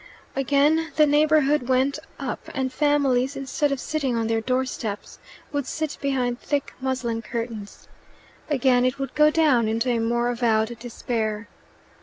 Again the neighbourhood "went up," and families, instead of sitting on their doorsteps, would sit behind thick muslin curtains. Again it would "go down" into a more avowed despair.